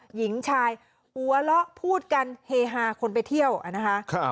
หญิงชายหัวเราะพูดกันเฮฮาคนไปเที่ยวนะคะ